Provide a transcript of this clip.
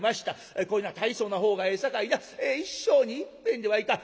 こういうのは大層なほうがええさかいな一生にいっぺんではいかん。